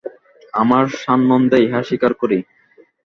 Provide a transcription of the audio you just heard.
আমরা সানন্দে ইহা স্বীকার করি।